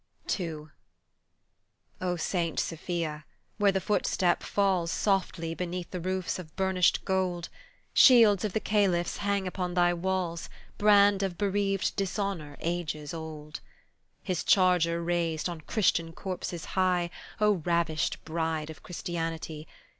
II O Saint Sophia, where the footstep falls Softly beneath the roofs of burnished gold, Shields of the Caliphs hang upon thy walls, Brand of bereaved dishonour ages old. His charger raised on Christian corpses high, O ravished bride of Christianity!